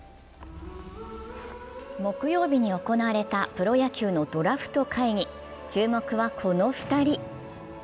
木曜日に行われたプロ野球のドラフト会議、注目はこの２人。